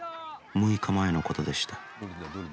６日前のことでした。